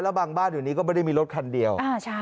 และบางบ้านอยู่แต่ไม่มีลถคันเดียว